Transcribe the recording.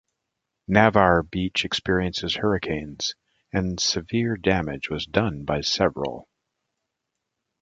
Navarre Beach experiences hurricanes, and severe damage was done by several.